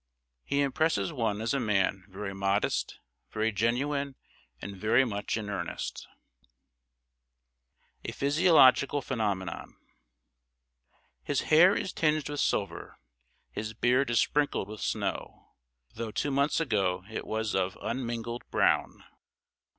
He impresses one as a man very modest, very genuine, and very much in earnest. [Sidenote: A PHYSIOLOGICAL PHENOMENON.] His hair is tinged with silver. His beard is sprinkled with snow, though two months ago it was of unmingled brown.